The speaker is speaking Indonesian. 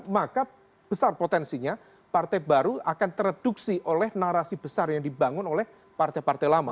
karena itu juga besar potensinya partai baru akan tereduksi oleh narasi besar yang dibangun oleh partai partai lama